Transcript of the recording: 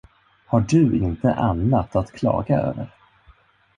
Har du inte annat att klaga över?